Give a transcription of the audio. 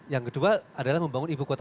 yang kedua adalah membangun ibu kota